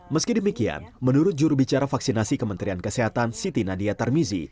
meski demikian menurut jurubicara vaksinasi kementerian kesehatan siti nadia tarmizi